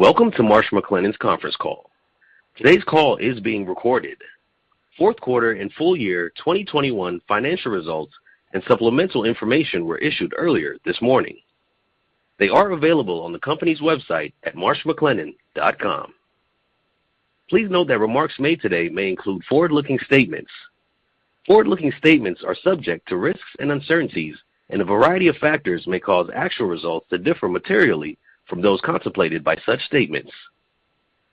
Welcome to Marsh McLennan's conference call. Today's call is being recorded. Fourth quarter and full year 2021 financial results and supplemental information were issued earlier this morning. They are available on the company's website at marshmclennan.com. Please note that remarks made today may include forward-looking statements. Forward-looking statements are subject to risks and uncertainties, and a variety of factors may cause actual results to differ materially from those contemplated by such statements.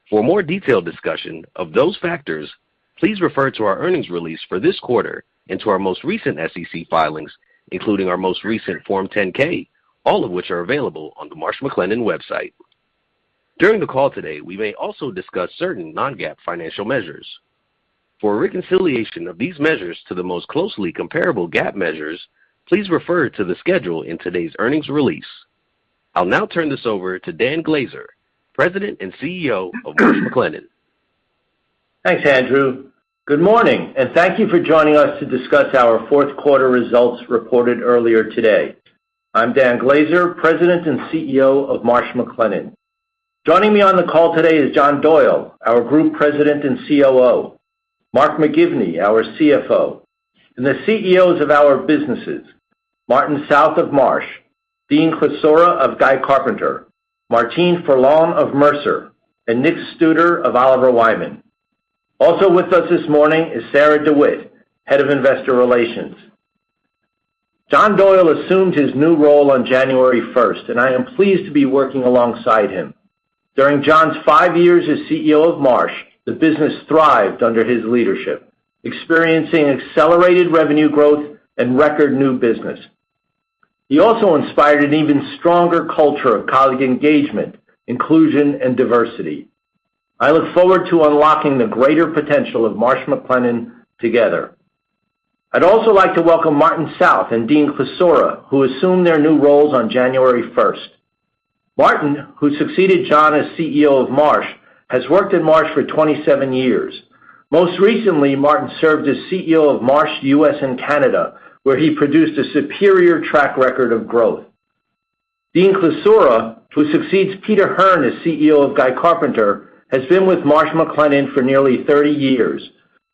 For more detailed discussion of those factors, please refer to our earnings release for this quarter and to our most recent SEC filings, including our most recent Form 10-K, all of which are available on the Marsh McLennan website. During the call today, we may also discuss certain non-GAAP financial measures. For a reconciliation of these measures to the most closely comparable GAAP measures, please refer to the schedule in today's earnings release. I'll now turn this over to Dan Glaser, President and CEO of Marsh McLennan. Thanks, Andrew. Good morning, and thank you for joining us to discuss our fourth quarter results reported earlier today. I'm Dan Glaser, President and CEO of Marsh McLennan. Joining me on the call today is John Doyle, our Group President and COO, Mark McGivney, our CFO, and the CEOs of our businesses, Martin South of Marsh, Dean Klisura of Guy Carpenter, Martine Ferland of Mercer, and Nick Studer of Oliver Wyman. Also with us this morning is Sarah DeWitt, Head of Investor Relations. John Doyle assumed his new role on January 1st, and I am pleased to be working alongside him. During John's five years as CEO of Marsh, the business thrived under his leadership, experiencing accelerated revenue growth and record new business. He also inspired an even stronger culture of colleague engagement, inclusion, and diversity. I look forward to unlocking the greater potential of Marsh McLennan together. I'd also like to welcome Martin South and Dean Klisura, who assumed their new roles on January 1st. Martin, who succeeded John as CEO of Marsh, has worked at Marsh for 27 years. Most recently, Martin served as CEO of Marsh U.S. and Canada, where he produced a superior track record of growth. Dean Klisura, who succeeds Peter Hearn as CEO of Guy Carpenter, has been with Marsh McLennan for nearly 30 years.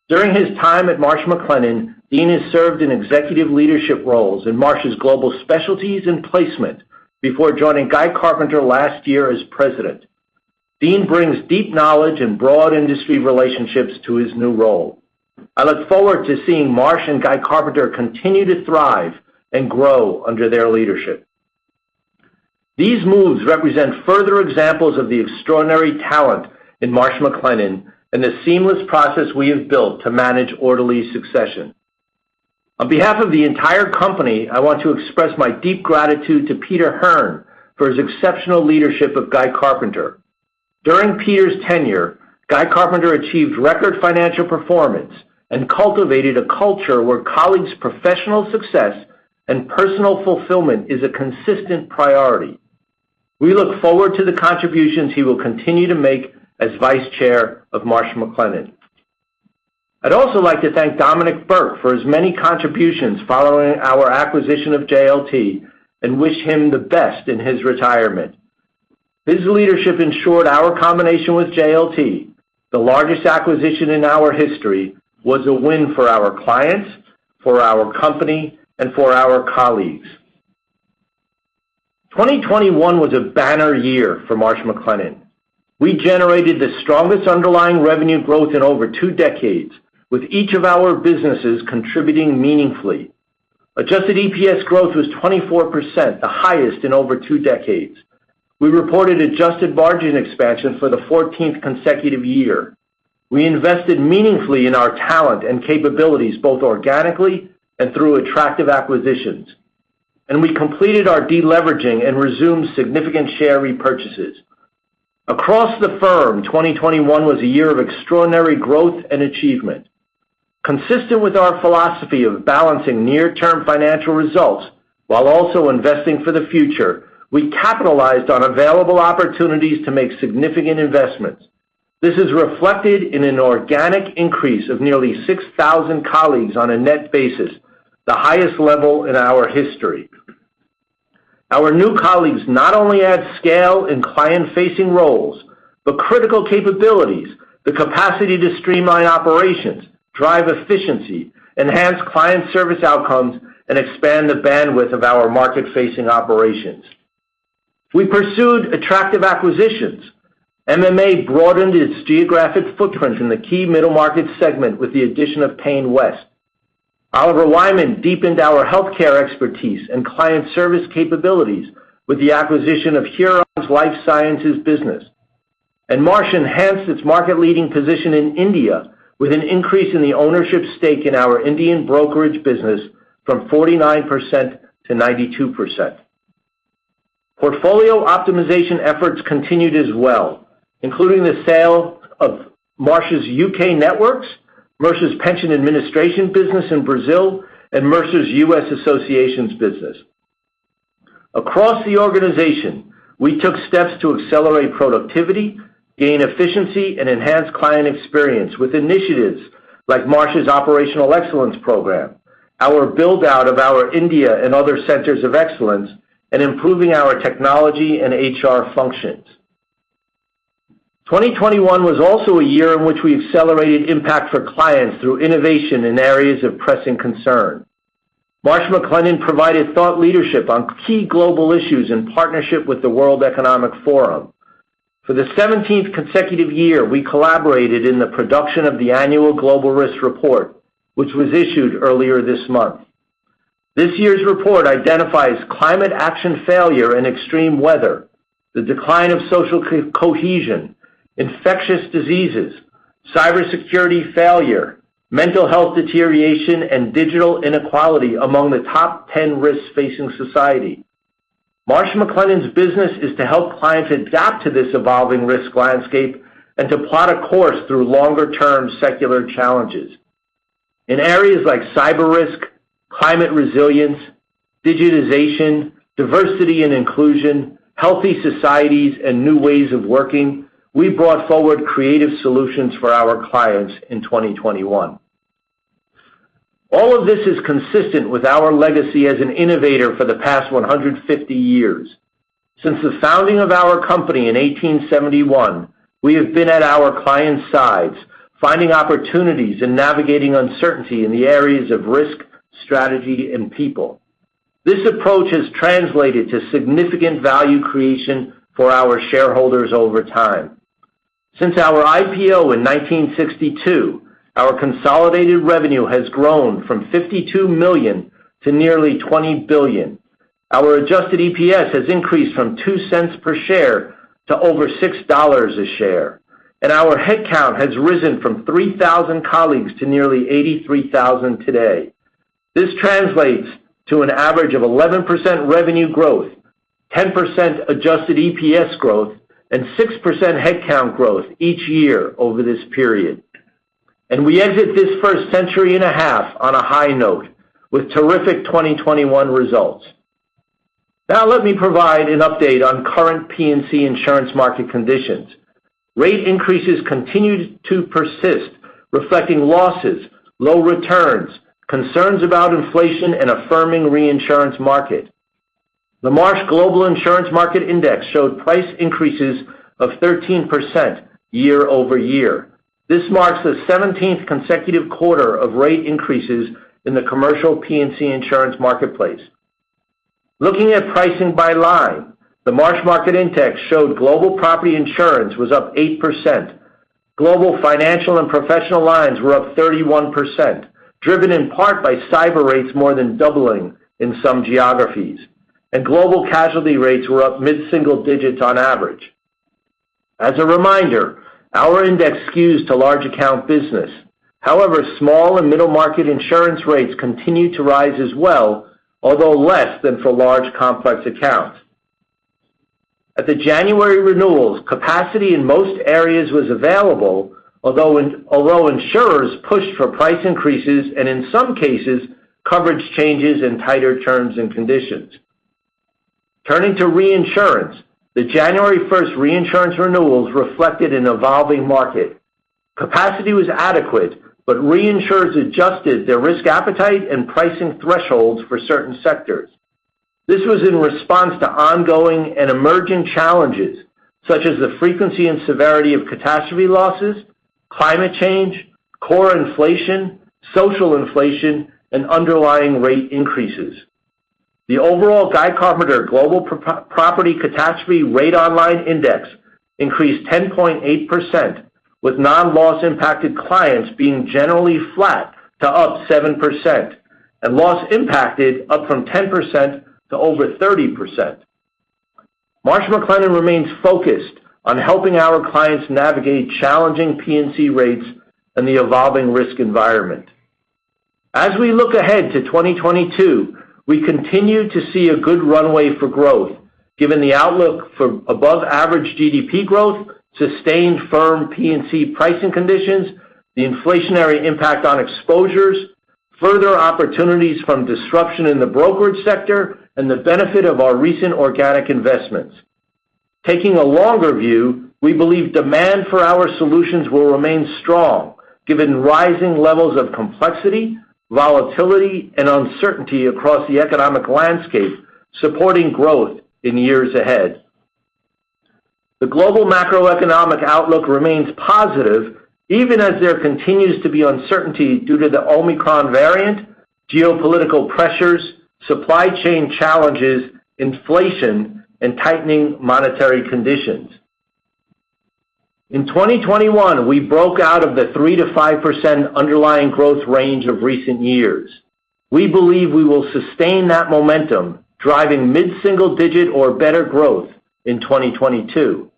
During his time at Marsh McLennan, Dean has served in executive leadership roles in Marsh's Global Specialties and Placement before joining Guy Carpenter last year as president. Dean brings deep knowledge and broad industry relationships to his new role. I look forward to seeing Marsh and Guy Carpenter continue to thrive and grow under their leadership. These moves represent further examples of the extraordinary talent in Marsh McLennan and the seamless process we have built to manage orderly succession. On behalf of the entire company, I want to express my deep gratitude to Peter Hearn for his exceptional leadership of Guy Carpenter. During Peter's tenure, Guy Carpenter achieved record financial performance and cultivated a culture where colleagues' professional success and personal fulfillment is a consistent priority. We look forward to the contributions he will continue to make as Vice Chair of Marsh McLennan. I'd also like to thank Dominic Burke for his many contributions following our acquisition of JLT and wish him the best in his retirement. His leadership ensured our combination with JLT, the largest acquisition in our history, was a win for our clients, for our company, and for our colleagues. 2021 was a banner year for Marsh McLennan. We generated the strongest underlying revenue growth in over two decades, with each of our businesses contributing meaningfully. Adjusted EPS growth was 24%, the highest in over two decades. We reported adjusted margin expansion for the 14th consecutive year. We invested meaningfully in our talent and capabilities, both organically and through attractive acquisitions. We completed our deleveraging and resumed significant share repurchases. Across the firm, 2021 was a year of extraordinary growth and achievement. Consistent with our philosophy of balancing near-term financial results while also investing for the future, we capitalized on available opportunities to make significant investments. This is reflected in an organic increase of nearly 6,000 colleagues on a net basis, the highest level in our history. Our new colleagues not only add scale in client-facing roles, but critical capabilities, the capacity to streamline operations, drive efficiency, enhance client service outcomes, and expand the bandwidth of our market-facing operations. We pursued attractive acquisitions. MMA broadened its geographic footprint in the key middle market segment with the addition of PayneWest. Oliver Wyman deepened our healthcare expertise and client service capabilities with the acquisition of Huron's life sciences business. Marsh enhanced its market-leading position in India with an increase in the ownership stake in our Indian brokerage business from 49%-92%. Portfolio optimization efforts continued as well, including the sale of Marsh's U.K. networks, Mercer's pension administration business in Brazil, and Mercer's U.S. associations business. Across the organization, we took steps to accelerate productivity, gain efficiency, and enhance client experience with initiatives like Marsh's Operational Excellence program, our build-out of our India and other centers of excellence, and improving our technology and HR functions. 2021 was also a year in which we accelerated impact for clients through innovation in areas of pressing concern. Marsh McLennan provided thought leadership on key global issues in partnership with the World Economic Forum. For the seventeenth consecutive year, we collaborated in the production of the annual Global Risks Report, which was issued earlier this month. This year's report identifies climate action failure and extreme weather, the decline of social cohesion, infectious diseases, cybersecurity failure, mental health deterioration, and digital inequality among the top 10 risks facing society. Marsh McLennan's business is to help clients adapt to this evolving risk landscape and to plot a course through longer-term secular challenges. In areas like cyber risk, climate resilience, digitization, diversity and inclusion, healthy societies, and new ways of working, we brought forward creative solutions for our clients in 2021. All of this is consistent with our legacy as an innovator for the past 150 years. Since the founding of our company in 1871, we have been at our clients' sides, finding opportunities and navigating uncertainty in the areas of risk, strategy, and people. This approach has translated to significant value creation for our shareholders over time. Since our IPO in 1962, our consolidated revenue has grown from $52 million to nearly $20 billion. Our adjusted EPS has increased from $0.02 per share to over $6 per share, and our head count has risen from 3,000 colleagues to nearly 83,000 today. This translates to an average of 11% revenue growth, 10% adjusted EPS growth, and 6% head count growth each year over this period. We exit this first century and a half on a high note with terrific 2021 results. Now let me provide an update on current P&C insurance market conditions. Rate increases continued to persist, reflecting losses, low returns, concerns about inflation, and firming reinsurance market. The Marsh Global Insurance Market Index showed price increases of 13% year-over-year. This marks the 17th consecutive quarter of rate increases in the commercial P&C insurance marketplace. Looking at pricing by line, the Marsh Market Index showed global property insurance was up 8%. Global financial and professional lines were up 31%, driven in part by cyber rates more than doubling in some geographies. Global casualty rates were up mid-single digits on average. As a reminder, our index skews to large account business. However, small and middle market insurance rates continue to rise as well, although less than for large complex accounts. At the January renewals, capacity in most areas was available, although insurers pushed for price increases, and in some cases, coverage changes and tighter terms and conditions. Turning to reinsurance, the January first reinsurance renewals reflected an evolving market. Capacity was adequate, but reinsurers adjusted their risk appetite and pricing thresholds for certain sectors. This was in response to ongoing and emerging challenges, such as the frequency and severity of catastrophe losses, climate change, core inflation, social inflation, and underlying rate increases. The overall Guy Carpenter Global Property Catastrophe Rate-On-Line Index increased 10.8%, with non-loss impacted clients being generally flat to up 7%, and loss impacted up from 10% to over 30%. Marsh McLennan remains focused on helping our clients navigate challenging P&C rates and the evolving risk environment. As we look ahead to 2022, we continue to see a good runway for growth, given the outlook for above average GDP growth, sustained firm P&C pricing conditions, the inflationary impact on exposures, further opportunities from disruption in the brokerage sector, and the benefit of our recent organic investments. Taking a longer view, we believe demand for our solutions will remain strong, given rising levels of complexity, volatility, and uncertainty across the economic landscape, supporting growth in years ahead. The global macroeconomic outlook remains positive even as there continues to be uncertainty due to the Omicron variant, geopolitical pressures, supply chain challenges, inflation, and tightening monetary conditions. In 2021, we broke out of the 3%-5% underlying growth range of recent years. We believe we will sustain that momentum, driving mid-single digit or better growth in 2022.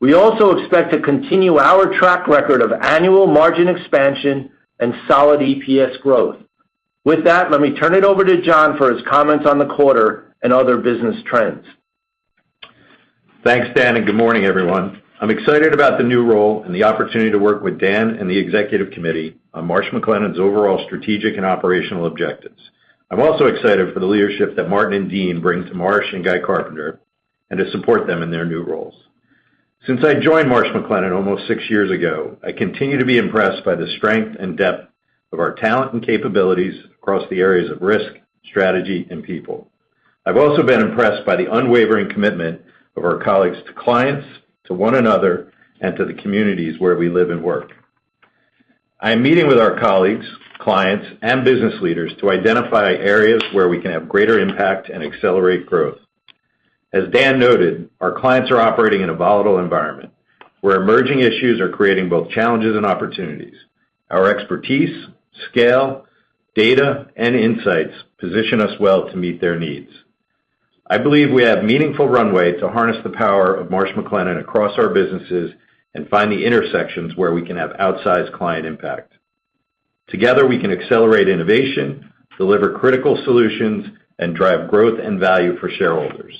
We also expect to continue our track record of annual margin expansion and solid EPS growth. With that, let me turn it over to John for his comments on the quarter and other business trends. Thanks, Dan, and good morning, everyone. I'm excited about the new role and the opportunity to work with Dan and the executive committee on Marsh McLennan's overall strategic and operational objectives. I'm also excited for the leadership that Martin and Dean bring to Marsh and Guy Carpenter, and to support them in their new roles. Since I joined Marsh McLennan almost six years ago, I continue to be impressed by the strength and depth of our talent and capabilities across the areas of risk, strategy, and people. I've also been impressed by the unwavering commitment of our colleagues to clients, to one another, and to the communities where we live and work. I'm meeting with our colleagues, clients, and business leaders to identify areas where we can have greater impact and accelerate growth. As Dan noted, our clients are operating in a volatile environment, where emerging issues are creating both challenges and opportunities. Our expertise, scale, data, and insights position us well to meet their needs. I believe we have meaningful runway to harness the power of Marsh McLennan across our businesses and find the intersections where we can have outsized client impact. Together, we can accelerate innovation, deliver critical solutions, and drive growth and value for shareholders.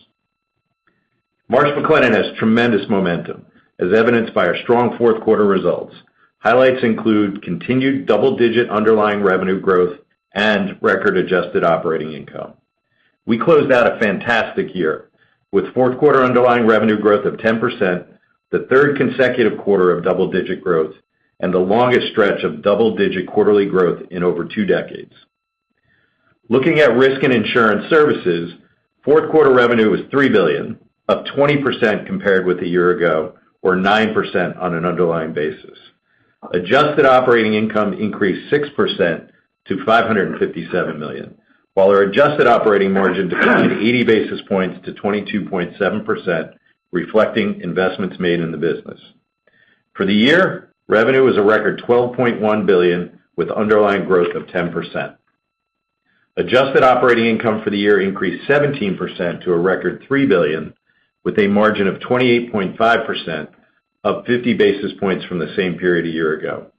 Marsh McLennan has tremendous momentum, as evidenced by our strong fourth quarter results. Highlights include continued double-digit underlying revenue growth and record adjusted operating income. We closed out a fantastic year, with fourth quarter underlying revenue growth of 10%, the third consecutive quarter of double-digit growth, and the longest stretch of double-digit quarterly growth in over two decades. Looking at risk and insurance services, fourth quarter revenue was $3 billion, up 20% compared with a year ago, or 9% on an underlying basis. Adjusted operating income increased 6% to $557 million, while our adjusted operating margin declined 80 basis points to 22.7%, reflecting investments made in the business. For the year, revenue was a record $12.1 billion, with underlying growth of 10%. Adjusted operating income for the year increased 17% to a record $3 billion, with a margin of 28.5%, up 50 basis points from the same period a year ago.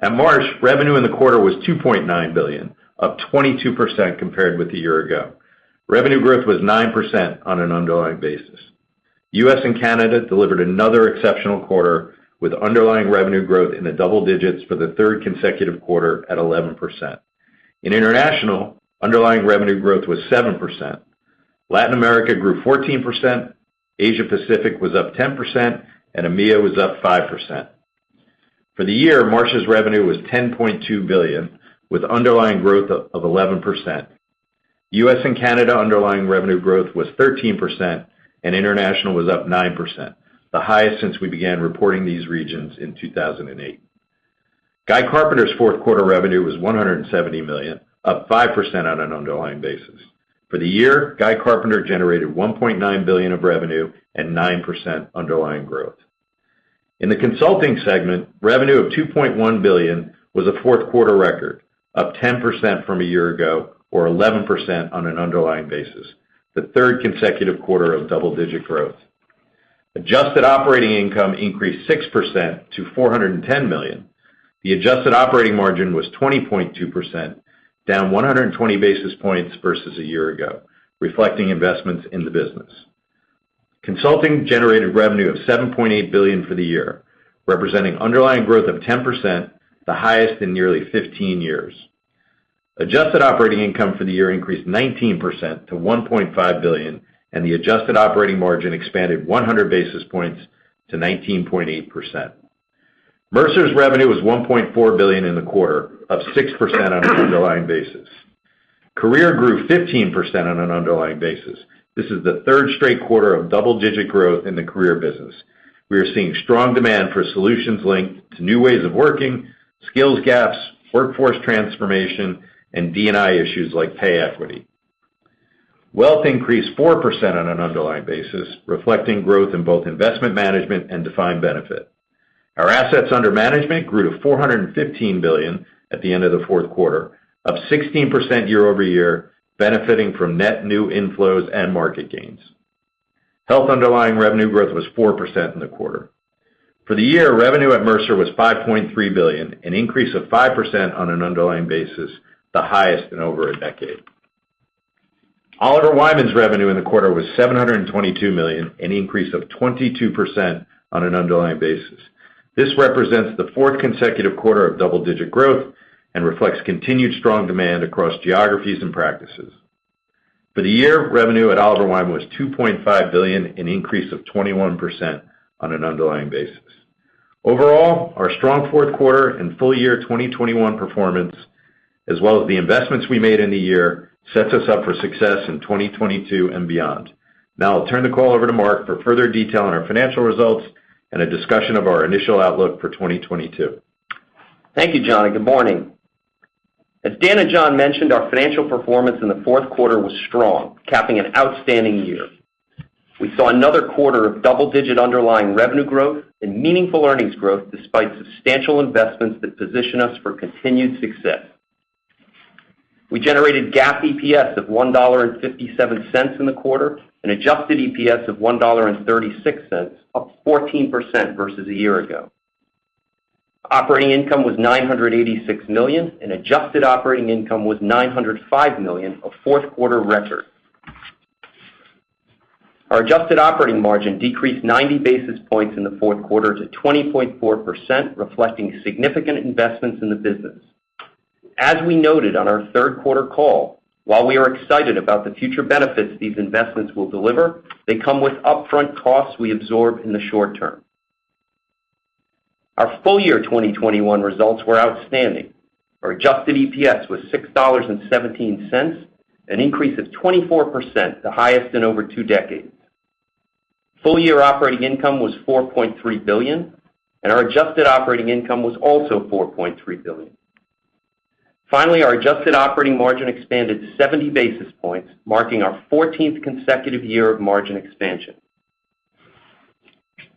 At Marsh, revenue in the quarter was $2.9 billion, up 22% compared with a year ago. Revenue growth was 9% on an underlying basis. U.S. and Canada delivered another exceptional quarter, with underlying revenue growth in the double digits for the third consecutive quarter at 11%. In international, underlying revenue growth was 7%. Latin America grew 14%, Asia Pacific was up 10%, and EMEIA was up 5%. For the year, Marsh's revenue was $10.2 billion, with underlying growth of eleven percent. U.S. and Canada underlying revenue growth was 13%, and international was up 9%, the highest since we began reporting these regions in 2008. Guy Carpenter's fourth quarter revenue was $170 million, up 5% on an underlying basis. For the year, Guy Carpenter generated $1.9 billion of revenue and 9% underlying growth. In the Consulting segment, revenue of $2.1 billion was a fourth quarter record, up 10% from a year ago or 11% on an underlying basis, the third consecutive quarter of double-digit growth. Adjusted operating income increased 6% to $410 million. The adjusted operating margin was 20.2%, down 120 basis points versus a year ago, reflecting investments in the business. Consulting generated revenue of $7.8 billion for the year, representing underlying growth of 10%, the highest in nearly 15 years. Adjusted operating income for the year increased 19% to $1.5 billion, and the adjusted operating margin expanded 100 basis points to 19.8%. Mercer's revenue was $1.4 billion in the quarter, up 6% on an underlying basis. Career grew 15% on an underlying basis. This is the third straight quarter of double-digit growth in the career business. We are seeing strong demand for solutions linked to new ways of working, skills gaps, workforce transformation, and D&I issues like pay equity. Wealth increased 4% on an underlying basis, reflecting growth in both investment management and defined benefit. Our assets under management grew to $415 billion at the end of the fourth quarter, up 16% year-over-year, benefiting from net new inflows and market gains. Health underlying revenue growth was 4% in the quarter. For the year, revenue at Mercer was $5.3 billion, an increase of 5% on an underlying basis, the highest in over a decade. Oliver Wyman's revenue in the quarter was $722 million, an increase of 22% on an underlying basis. This represents the fourth consecutive quarter of double-digit growth and reflects continued strong demand across geographies and practices. For the year, revenue at Oliver Wyman was $2.5 billion, an increase of 21% on an underlying basis. Overall, our strong fourth quarter and full year 2021 performance, as well as the investments we made in the year, sets us up for success in 2022 and beyond. Now I'll turn the call over to Mark for further detail on our financial results and a discussion of our initial outlook for 2022. Thank you, John, and good morning. As Dan and John mentioned, our financial performance in the fourth quarter was strong, capping an outstanding year. We saw another quarter of double-digit underlying revenue growth and meaningful earnings growth despite substantial investments that position us for continued success. We generated GAAP EPS of $1.57 in the quarter and adjusted EPS of $1.36, up 14% versus a year ago. Operating income was $986 million, and adjusted operating income was $905 million, a fourth quarter record. Our adjusted operating margin decreased 90 basis points in the fourth quarter to 20.4%, reflecting significant investments in the business. As we noted on our third quarter call, while we are excited about the future benefits these investments will deliver, they come with upfront costs we absorb in the short term. Our full year 2021 results were outstanding. Our adjusted EPS was $6.17, an increase of 24%, the highest in over two decades. Full year operating income was $4.3 billion, and our adjusted operating income was also $4.3 billion. Finally, our adjusted operating margin expanded 70 basis points, marking our 14th consecutive year of margin expansion.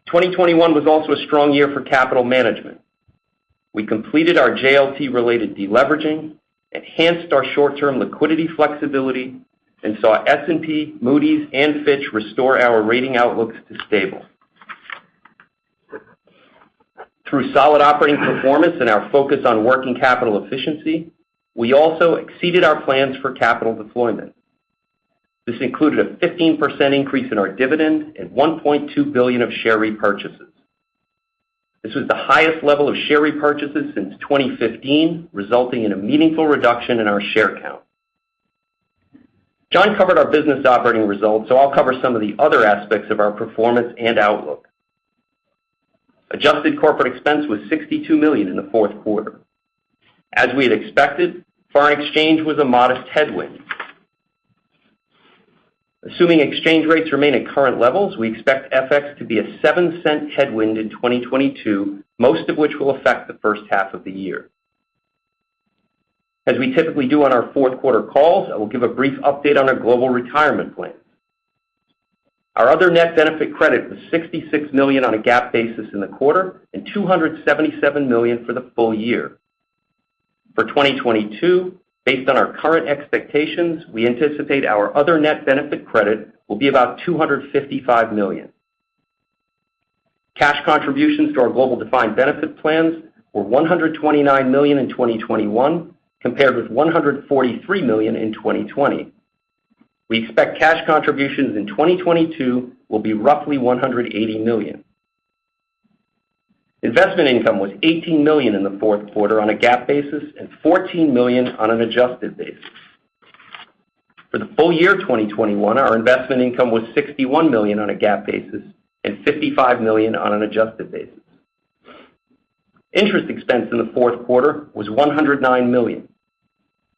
2021 was also a strong year for capital management. We completed our JLT-related deleveraging, enhanced our short-term liquidity flexibility, and saw S&P, Moody's, and Fitch restore our rating outlooks to stable. Through solid operating performance and our focus on working capital efficiency, we also exceeded our plans for capital deployment. This included a 15% increase in our dividend and $1.2 billion of share repurchases. This was the highest level of share repurchases since 2015, resulting in a meaningful reduction in our share count. John covered our business operating results, so I'll cover some of the other aspects of our performance and outlook. Adjusted corporate expense was $62 million in the fourth quarter. As we had expected, foreign exchange was a modest headwind. Assuming exchange rates remain at current levels, we expect FX to be a $0.07 Headwind in 2022, most of which will affect the first half of the year. As we typically do on our fourth quarter calls, I will give a brief update on our global retirement plan. Our other net benefit credit was $66 million on a GAAP basis in the quarter and $277 million for the full year. For 2022, based on our current expectations, we anticipate our other net benefit credit will be about $255 million. Cash contributions to our global defined benefit plans were $129 million in 2021, compared with $143 million in 2020. We expect cash contributions in 2022 will be roughly $180 million. Investment income was $18 million in the fourth quarter on a GAAP basis and $14 million on an adjusted basis. For the full year 2021, our investment income was $61 million on a GAAP basis and $55 million on an adjusted basis. Interest expense in the fourth quarter was $109 million.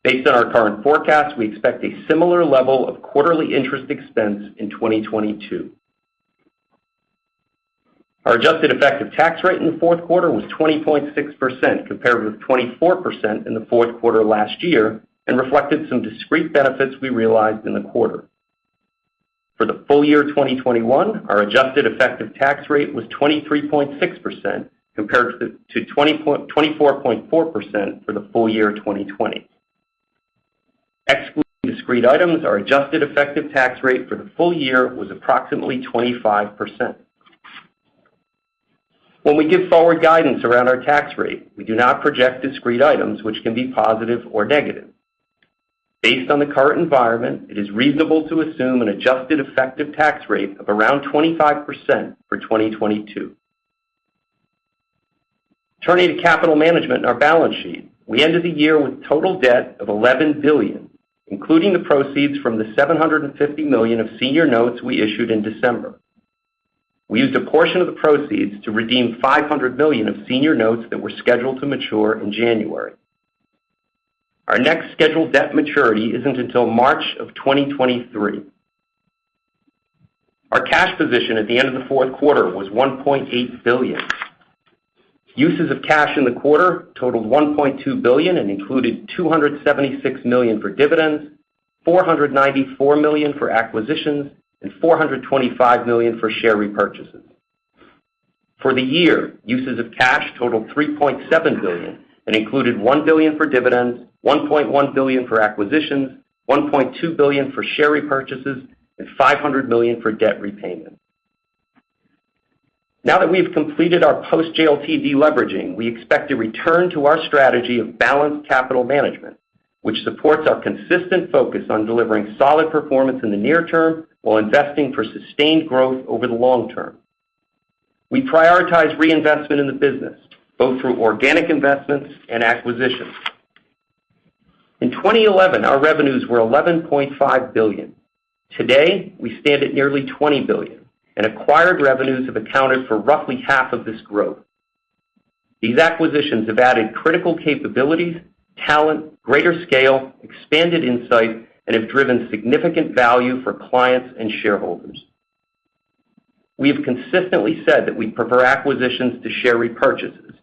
Based on our current forecast, we expect a similar level of quarterly interest expense in 2022. Our adjusted effective tax rate in the fourth quarter was 20.6% compared with 24% in the fourth quarter last year and reflected some discrete benefits we realized in the quarter. For the full year 2021, our adjusted effective tax rate was 23.6% compared to 24.4% for the full year 2020. Excluding discrete items, our adjusted effective tax rate for the full year was approximately 25%. When we give forward guidance around our tax rate, we do not project discrete items which can be positive or negative. Based on the current environment, it is reasonable to assume an adjusted effective tax rate of around 25% for 2022. Turning to capital management and our balance sheet. We ended the year with total debt of $11 billion, including the proceeds from the $750 million of senior notes we issued in December. We used a portion of the proceeds to redeem $500 million of senior notes that were scheduled to mature in January. Our next scheduled debt maturity isn't until March 2023. Our cash position at the end of the fourth quarter was $1.8 billion. Uses of cash in the quarter totaled $1.2 billion and included $276 million for dividends, $494 million for acquisitions, and $425 million for share repurchases. For the year, uses of cash totaled $3.7 billion and included $1 billion for dividends, $1.1 billion for acquisitions, $1.2 billion for share repurchases, and $500 million for debt repayment. Now that we've completed our post-JLT deleveraging, we expect to return to our strategy of balanced capital management, which supports our consistent focus on delivering solid performance in the near term while investing for sustained growth over the long term. We prioritize reinvestment in the business, both through organic investments and acquisitions. In 2011, our revenues were $11.5 billion. Today, we stand at nearly $20 billion, and acquired revenues have accounted for roughly half of this growth. These acquisitions have added critical capabilities, talent, greater scale, expanded insight, and have driven significant value for clients and shareholders. We have consistently said that we prefer acquisitions to share repurchases.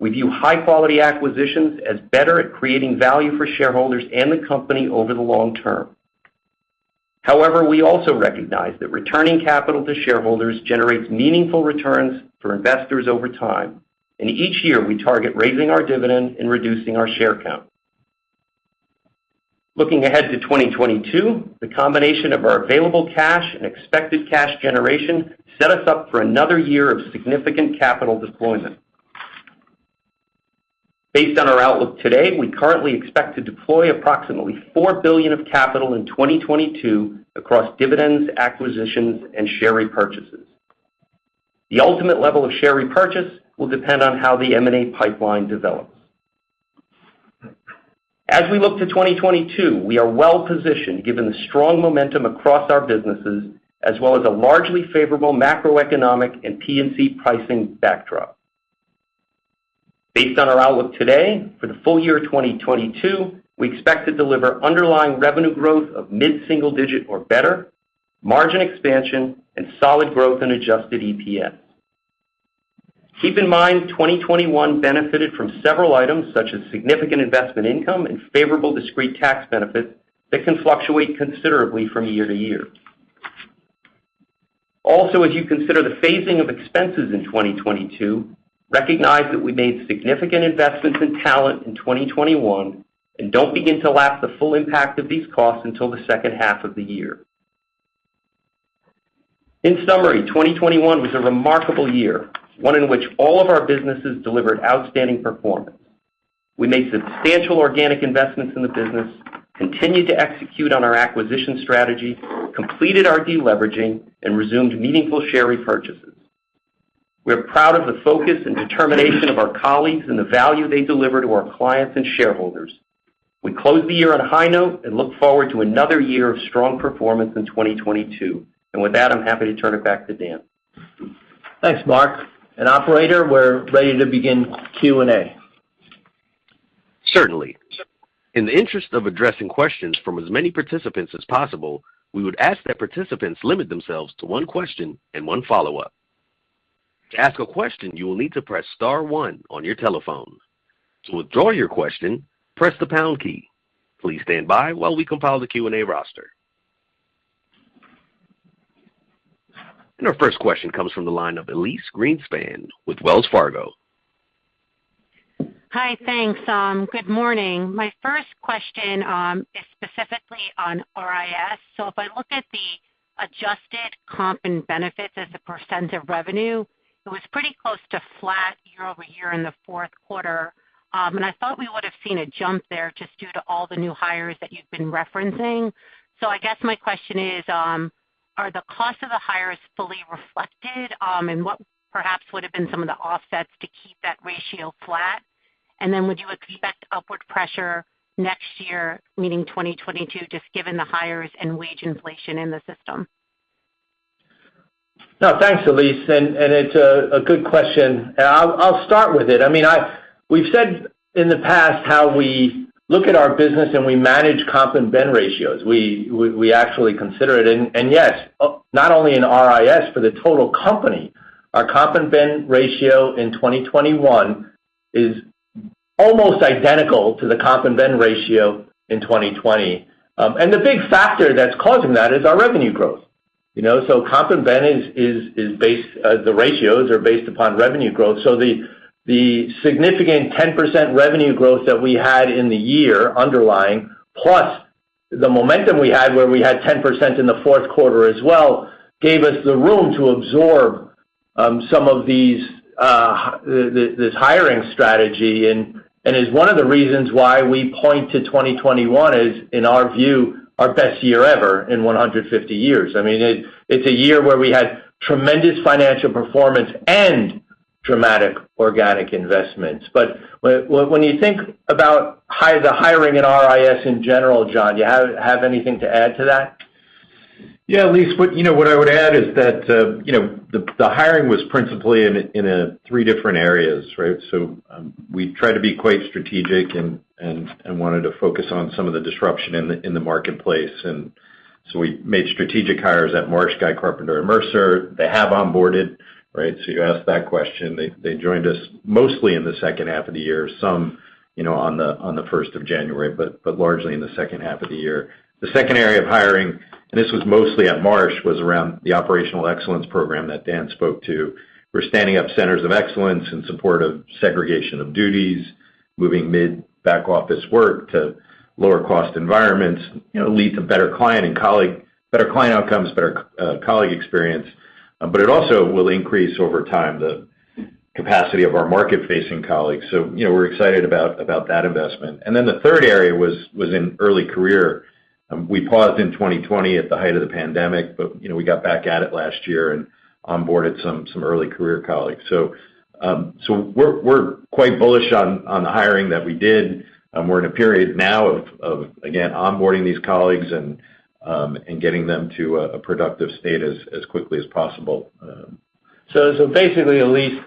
We view high-quality acquisitions as better at creating value for shareholders and the company over the long term. However, we also recognize that returning capital to shareholders generates meaningful returns for investors over time. Each year, we target raising our dividend and reducing our share count. Looking ahead to 2022, the combination of our available cash and expected cash generation set us up for another year of significant capital deployment. Based on our outlook today, we currently expect to deploy approximately $4 billion of capital in 2022 across dividends, acquisitions, and share repurchases. The ultimate level of share repurchase will depend on how the M&A pipeline develops. As we look to 2022, we are well positioned given the strong momentum across our businesses, as well as a largely favorable macroeconomic and P&C pricing backdrop. Based on our outlook today for the full year 2022, we expect to deliver underlying revenue growth of mid-single-digit% or better, margin expansion and solid growth in adjusted EPS. Keep in mind, 2021 benefited from several items such as significant investment income and favorable discrete tax benefits that can fluctuate considerably from year to year. Also, as you consider the phasing of expenses in 2022, recognize that we made significant investments in talent in 2021, and don't begin to lap the full impact of these costs until the second half of the year. In summary, 2021 was a remarkable year, one in which all of our businesses delivered outstanding performance. We made substantial organic investments in the business, continued to execute on our acquisition strategy, completed our deleveraging, and resumed meaningful share repurchases. We are proud of the focus and determination of our colleagues and the value they deliver to our clients and shareholders. We close the year on a high note and look forward to another year of strong performance in 2022. With that, I'm happy to turn it back to Dan. Thanks, Mark. Operator, we're ready to begin Q&A. Certainly. In the interest of addressing questions from as many participants as possible, we would ask that participants limit themselves to one question and one follow-up. To ask a question, you will need to press star one on your telephone. To withdraw your question, press the pound key. Please stand by while we compile the Q&A roster. Our first question comes from the line of Elyse Greenspan with Wells Fargo. Hi. Thanks. Good morning. My first question is specifically on RIS. If I look at the adjusted comp and benefits as a percent of revenue, it was pretty close to flat year-over-year in the fourth quarter. I thought we would have seen a jump there just due to all the new hires that you've been referencing. I guess my question is, are the costs of the hires fully reflected? What perhaps would have been some of the offsets to keep that ratio flat? Would you expect upward pressure next year, meaning 2022, just given the hires and wage inflation in the system? No, thanks, Elyse. It's a good question, and I'll start with it. I mean, we've said in the past how we look at our business and we manage comp and ben ratios. We actually consider it. Yes, not only in RIS, for the total company, our comp and ben ratio in 2021 is almost identical to the comp and ben ratio in 2020. The big factor that's causing that is our revenue growth. You know? Comp and ben is based, the ratios are based upon revenue growth. The significant 10% revenue growth that we had in the year underlying, plus the momentum we had where we had 10% in the fourth quarter as well, gave us the room to absorb some of this hiring strategy. It is one of the reasons why we point to 2021 as, in our view, our best year ever in 150 years. I mean, it's a year where we had tremendous financial performance and dramatic organic investments. When you think about the hiring at RIS in general, John, do you have anything to add to that? Yeah, Elyse. What, you know, what I would add is that, you know, the hiring was principally in three different areas, right? We try to be quite strategic and wanted to focus on some of the disruption in the marketplace. We made strategic hires at Marsh, Guy Carpenter, and Mercer. They have onboarded, right? You asked that question. They joined us mostly in the second half of the year, some, you know, on the first of January, but largely in the second half of the year. The second area of hiring, and this was mostly at Marsh, was around the Operational Excellence program that Dan spoke to. We're standing up centers of excellence in support of segregation of duties, moving mid, back office work to lower cost environments, you know, lead to better client and colleague, better client outcomes, better colleague experience. It also will increase over time the capacity of our market-facing colleagues. You know, we're excited about that investment. Then the third area was in early career. We paused in 2020 at the height of the pandemic, but you know, we got back at it last year and onboarded some early career colleagues. We're quite bullish on the hiring that we did. We're in a period now of again, onboarding these colleagues and getting them to a productive state as quickly as possible. Basically, Elise,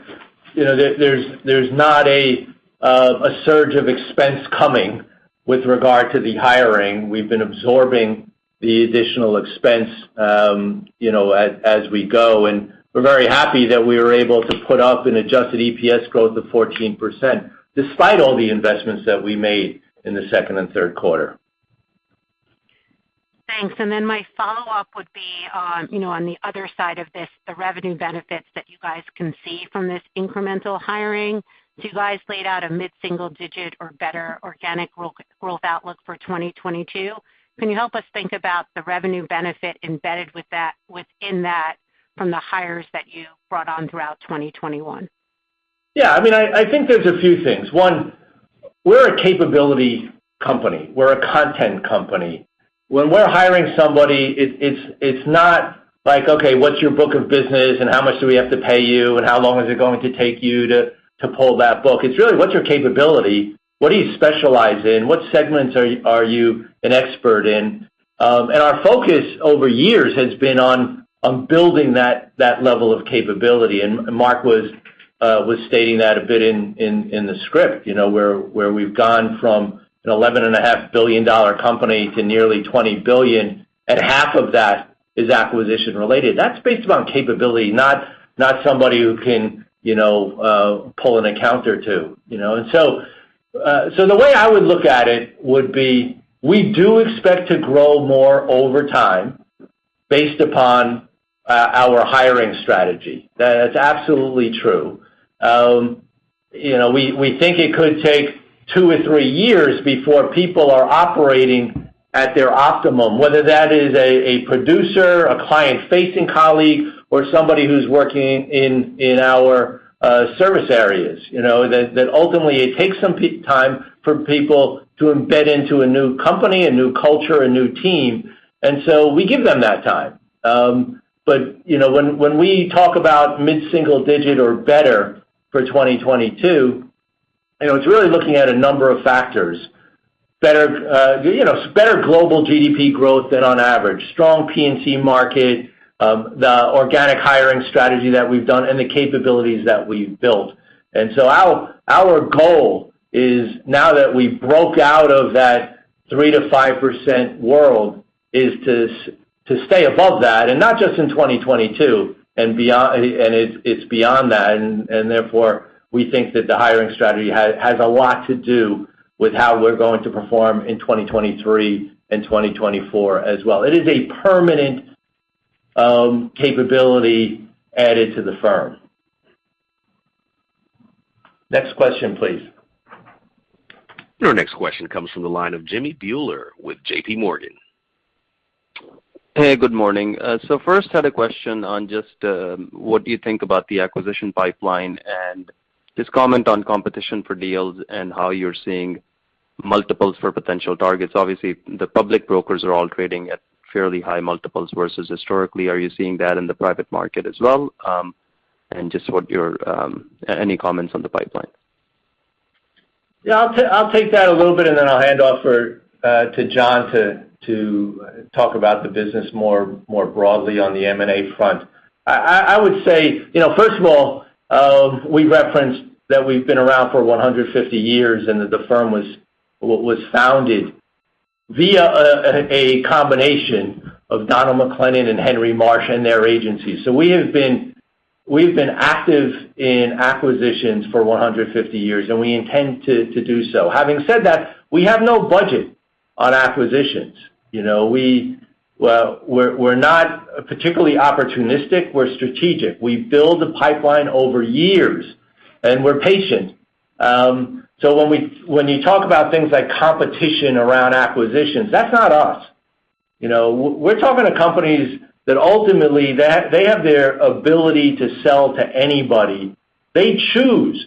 you know, there's not a surge of expense coming with regard to the hiring. We've been absorbing the additional expense, you know, as we go. We're very happy that we were able to put up an adjusted EPS growth of 14% despite all the investments that we made in the second and third quarter. Thanks. My follow-up would be on, you know, on the other side of this, the revenue benefits that you guys can see from this incremental hiring. You guys laid out a mid-single digit or better organic growth outlook for 2022. Can you help us think about the revenue benefit embedded with that, within that from the hires that you brought on throughout 2021? Yeah. I mean, I think there's a few things. One. We're a capabilities company. We're a content company. When we're hiring somebody, it's not like, okay, what's your book of business and how much do we have to pay you and how long is it going to take you to pull that book? It's really, what's your capability? What do you specialize in? What segments are you an expert in? And our focus over years has been on building that level of capability. And Mark was stating that a bit in the script, you know, where we've gone from an $11.5 billion company to nearly $20 billion, and half of that is acquisition related. That's based on capability, not somebody who can, you know, pull an account or two, you know? The way I would look at it would be, we do expect to grow more over time based upon our hiring strategy. That is absolutely true. You know, we think it could take two or three years before people are operating at their optimum, whether that is a producer, a client-facing colleague, or somebody who's working in our service areas, you know. That ultimately it takes some time for people to embed into a new company, a new culture, a new team. We give them that time. You know, when we talk about mid-single digit or better for 2022, you know, it's really looking at a number of factors. Better, you know, better global GDP growth than on average, strong P&C market, the organic hiring strategy that we've done, and the capabilities that we've built. Our goal is now that we broke out of that 3%-5% world, is to stay above that, and not just in 2022 and beyond, and it's beyond that. Therefore, we think that the hiring strategy has a lot to do with how we're going to perform in 2023 and 2024 as well. It is a permanent capability added to the firm. Next question, please. Your next question comes from the line of Jimmy Bhullar with JPMorgan. Hey, good morning. I first had a question on just what do you think about the acquisition pipeline? Just comment on competition for deals and how you're seeing multiples for potential targets. Obviously, the public brokers are all trading at fairly high multiples versus historically. Are you seeing that in the private market as well? Just what are your any comments on the pipeline. Yeah, I'll take that a little bit, and then I'll hand off to John to talk about the business more broadly on the M&A front. I would say, you know, first of all, we referenced that we've been around for 150 years, and that the firm was founded via a combination of Donald McLennan and Henry Marsh and their agencies. We've been active in acquisitions for 150 years, and we intend to do so. Having said that, we have no budget on acquisitions, you know. Well, we're not particularly opportunistic, we're strategic. We build the pipeline over years, and we're patient. When you talk about things like competition around acquisitions, that's not us. You know, we're talking to companies that ultimately, they have their ability to sell to anybody. They choose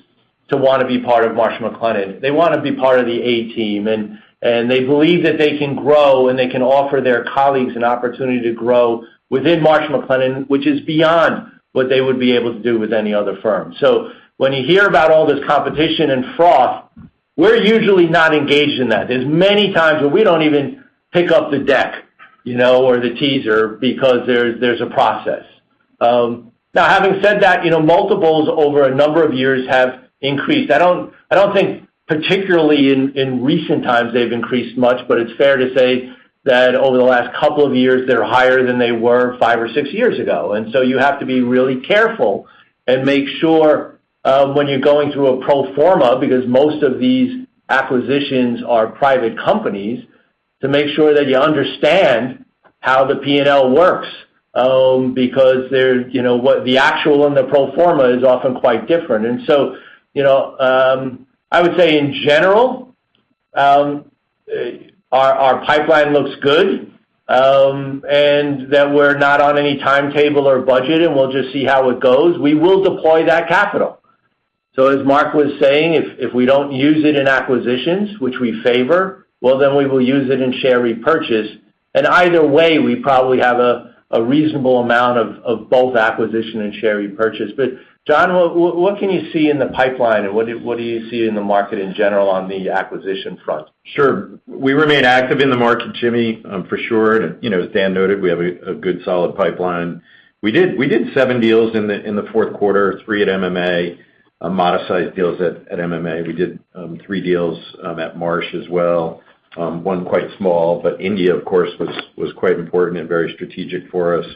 to want to be part of Marsh & McLennan. They want to be part of the A team, and they believe that they can grow, and they can offer their colleagues an opportunity to grow within Marsh & McLennan, which is beyond what they would be able to do with any other firm. When you hear about all this competition and froth, we're usually not engaged in that. There's many times where we don't even pick up the deck, you know, or the teaser because there's a process. Now having said that, you know, multiples over a number of years have increased. I don't think particularly in recent times they've increased much, but it's fair to say that over the last couple of years, they're higher than they were five or six years ago. You have to be really careful and make sure when you're going through a pro forma, because most of these acquisitions are private companies, to make sure that you understand how the P&L works. Because there, you know, what the actual and the pro forma is often quite different. You know, I would say in general, our pipeline looks good, and that we're not on any timetable or budget, and we'll just see how it goes. We will deploy that capital. As Mark was saying, if we don't use it in acquisitions, which we favor, well, then we will use it in share repurchase. Either way, we probably have a reasonable amount of both acquisition and share repurchase. John, what can you see in the pipeline and what do you see in the market in general on the acquisition front? Sure. We remain active in the market, Jimmy, for sure. You know, as Dan noted, we have a good solid pipeline. We did seven deals in the fourth quarter, three at MMA, modest size deals at MMA. We did three deals at Marsh as well, one quite small. India, of course, was quite important and very strategic for us.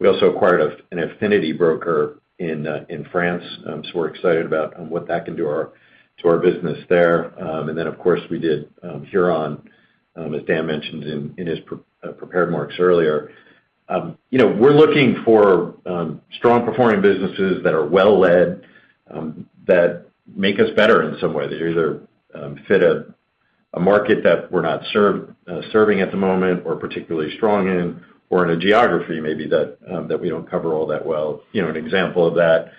We also acquired an affinity broker in France, so we're excited about what that can do to our business there. Then of course we did Huron, as Dan mentioned in his prepared remarks earlier. You know, we're looking for strong performing businesses that are well led, that make us better in some way. They either fit a market that we're not serving at the moment or particularly strong in or in a geography maybe that we don't cover all that well. You know, an example of that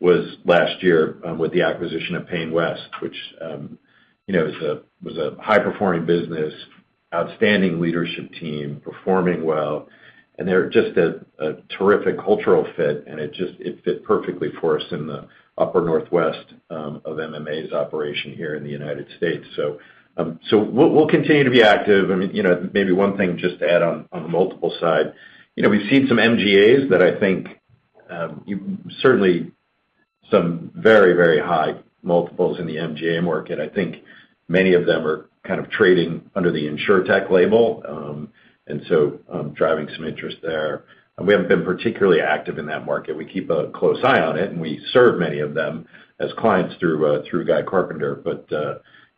was last year with the acquisition of PayneWest, which you know, was a high-performing business, outstanding leadership team, performing well, and they're just a terrific cultural fit, and it fit perfectly for us in the upper northwest of MMA's operation here in the United States. We'll continue to be active. I mean, you know, maybe one thing just to add on the multiple side. You know, we've seen some MGAs that I think certainly some very high multiples in the MGA market. I think many of them are kind of trading under the insurtech label, and so, driving some interest there. We haven't been particularly active in that market. We keep a close eye on it, and we serve many of them as clients through Guy Carpenter.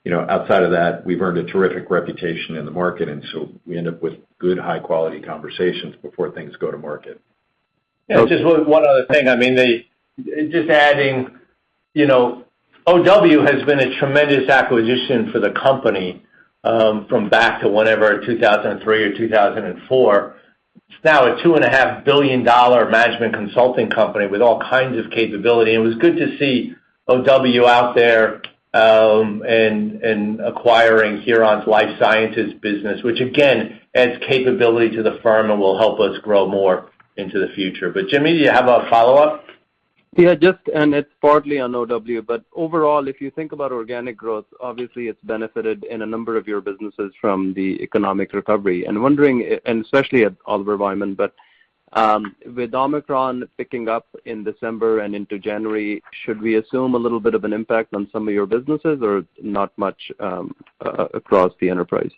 You know, outside of that, we've earned a terrific reputation in the market, and so we end up with good, high-quality conversations before things go to market. Yeah, just one other thing. I mean, just adding, you know, OW has been a tremendous acquisition for the company from back to whenever, 2003 or 2004. It's now a $2.5 billion management consulting company with all kinds of capability. It was good to see OW out there and acquiring Huron's life sciences business, which again, adds capability to the firm and will help us grow more into the future. Jimmy, you have a follow-up? Yeah, just, it's partly on OW. Overall, if you think about organic growth, obviously it's benefited in a number of your businesses from the economic recovery. I'm wondering, especially at Oliver Wyman, with Omicron picking up in December and into January, should we assume a little bit of an impact on some of your businesses, or not much, across the enterprise?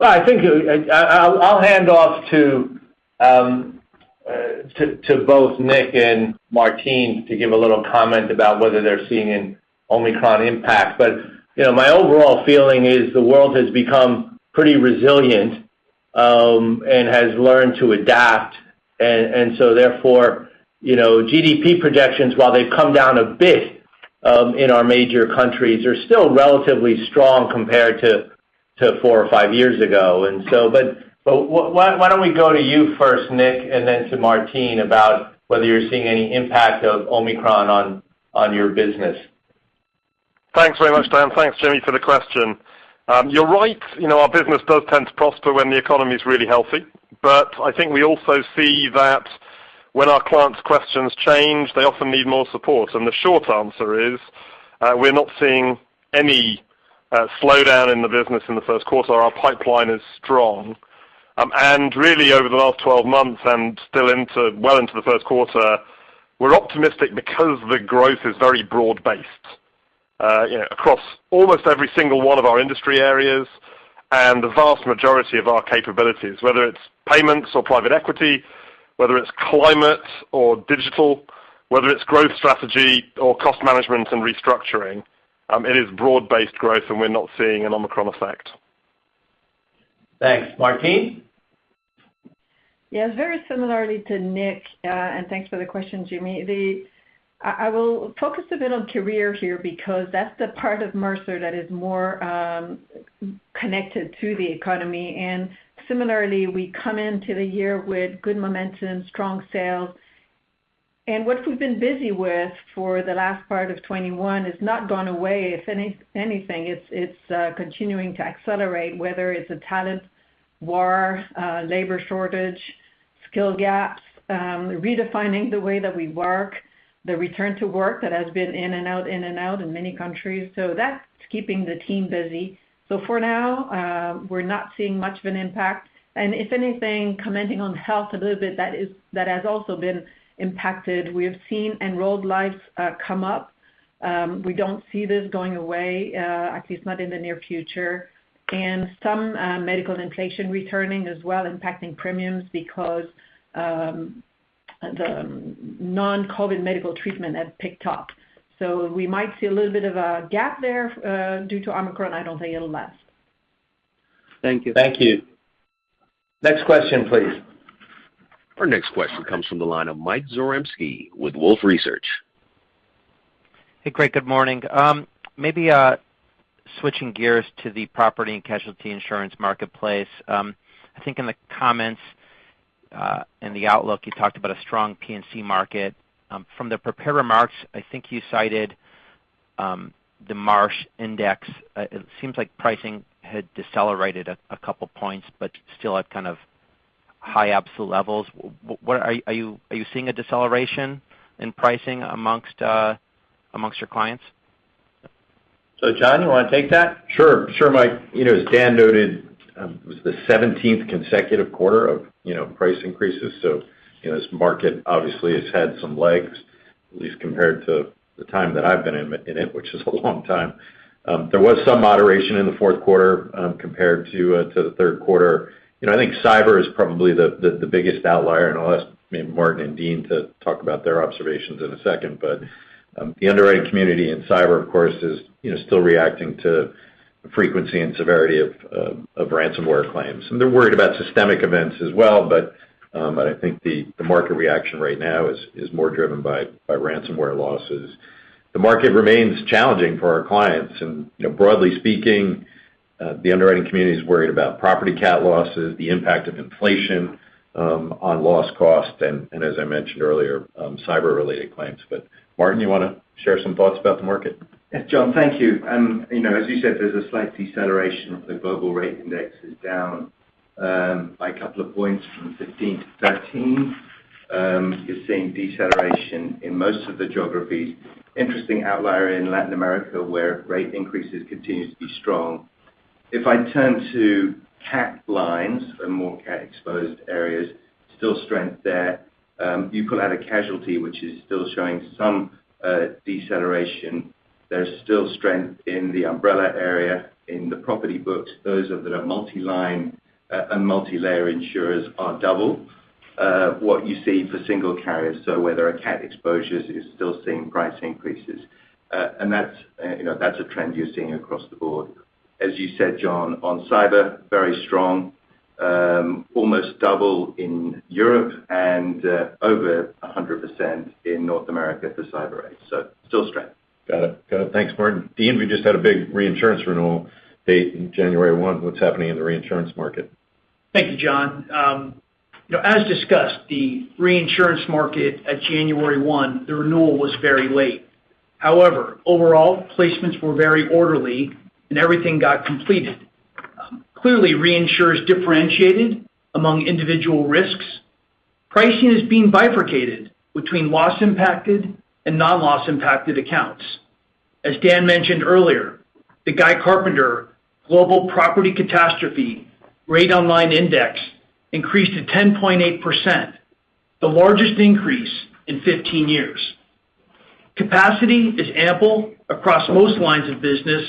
Well, I think I'll hand off to both Nick and Martine to give a little comment about whether they're seeing an Omicron impact. You know, my overall feeling is the world has become pretty resilient and has learned to adapt. So therefore, you know, GDP projections, while they've come down a bit in our major countries, are still relatively strong compared to four or five years ago. Why don't we go to you first, Nick, and then to Martine about whether you're seeing any impact of Omicron on your business. Thanks very much, Dan. Thanks, Jimmy, for the question. You're right. You know, our business does tend to prosper when the economy is really healthy. I think we also see that when our clients' questions change, they often need more support. The short answer is, we're not seeing any slowdown in the business in the first quarter. Our pipeline is strong. Really over the last 12 months and still into the first quarter, we're optimistic because the growth is very broad-based, you know, across almost every single one of our industry areas and the vast majority of our capabilities. Whether it's payments or private equity, whether it's climate or digital, whether it's growth strategy or cost management and restructuring, it is broad-based growth, and we're not seeing an Omicron effect. Thanks. Martine? Yeah, very similarly to Nick, and thanks for the question, Jimmy. I will focus a bit on career here because that's the part of Mercer that is more connected to the economy. Similarly, we come into the year with good momentum, strong sales. What we've been busy with for the last part of 2021 has not gone away. If anything, it's continuing to accelerate, whether it's a talent war, labor shortage, skill gaps, redefining the way that we work, the return to work that has been in and out, in and out in many countries. That's keeping the team busy. For now, we're not seeing much of an impact. If anything, commenting on health a little bit, that has also been impacted. We have seen enrolled lives come up. We don't see this going away, at least not in the near future. Some medical inflation returning as well, impacting premiums because the non-COVID medical treatment has picked up. We might see a little bit of a gap there, due to Omicron. I don't think it'll last. Thank you. Thank you. Next question, please. Our next question comes from the line of Mike Zaremski with Wolfe Research. Hey, great. Good morning. Maybe switching gears to the property and casualty insurance marketplace. I think in the comments in the outlook, you talked about a strong P&C market. From the prepared remarks, I think you cited the Marsh index. It seems like pricing had decelerated a couple points, but still at kind of high absolute levels. Are you seeing a deceleration in pricing among your clients? John, you want to take that? Sure. Sure, Mike. You know, as Dan noted, it was the seventeenth consecutive quarter of, you know, price increases. You know, this market obviously has had some legs, at least compared to the time that I've been in it, which is a long time. There was some moderation in the fourth quarter compared to the third quarter. You know, I think cyber is probably the biggest outlier, and I'll ask maybe Martin and Dean to talk about their observations in a second. I think the market reaction right now is more driven by ransomware losses. The market remains challenging for our clients. You know, broadly speaking, the underwriting community is worried about property cat losses, the impact of inflation, on loss cost, and as I mentioned earlier, cyber-related claims. Martin, you want to share some thoughts about the market? Yes, John, thank you. You know, as you said, there's a slight deceleration. The global rate index is down by a couple of points from 15%-13%. You're seeing deceleration in most of the geographies. Interesting outlier in Latin America, where rate increases continue to be strong. If I turn to cat lines and more cat-exposed areas, there's still strength there. You pull out casualty, which is still showing some deceleration. There's still strength in the umbrella area in the property books. Those that are multi-line and multilayer insurers are double what you see for single carriers. So where there are cat exposures, you're still seeing price increases. That's, you know, that's a trend you're seeing across the board. As you said, John, on cyber, very strong. Almost double in Europe and over 100% in North America for cyber rates, so still strength. Got it. Thanks, Martin. Dean, we just had a big reinsurance renewal date in January 1. What's happening in the reinsurance market? Thank you, John. You know, as discussed, the reinsurance market at January 1, the renewal was very late. However, overall, placements were very orderly, and everything got completed. Clearly reinsurers differentiated among individual risks. Pricing is being bifurcated between loss-impacted and non-loss impacted accounts. As Dan mentioned earlier, the Guy Carpenter Global Property Catastrophe Rate-On-Line Index increased to 10.8%, the largest increase in 15 years. Capacity is ample across most lines of business,